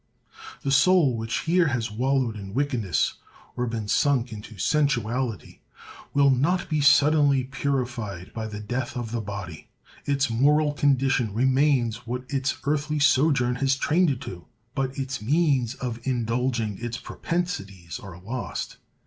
The soul which here has wallowed in wickedness or been sunk in sensuality, will not be suddenly purified by the death of the body: its moral condition remains what its earthly sojourn has trained it to, but its means of indulging its propensities are lost.